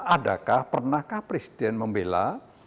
adakah pernahkah presiden membela